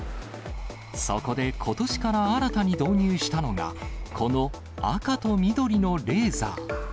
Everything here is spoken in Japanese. そこでことしから新たに導入したのが、この赤と緑のレーザー。